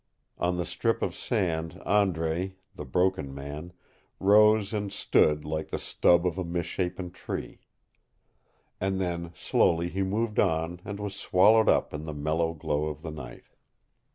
On the strip of sand Andre, the Broken Man, rose and stood like the stub of a misshapen tree. And then slowly he moved on and was swallowed up in the mellow glow of the night.